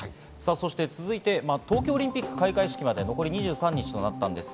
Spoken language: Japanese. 続いて東京オリンピック開会式まで残り２３日となりました。